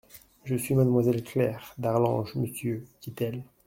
Je suis mademoiselle Claire d'Arlange, monsieur, dit-elle.